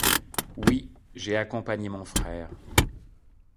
Oui, j'ai accompagné mon frère.